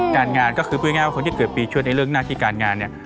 การงานก็คือพูดง่ายว่าคนที่เกิดปีชวดในเรื่องหน้าที่การงานเนี่ย